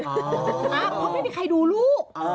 เพราะไม่มีใครดูลูก